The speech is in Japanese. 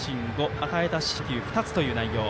与えた四死球２つという内容。